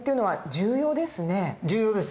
重要ですね。